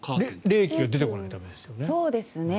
冷気が出てこないためですよね。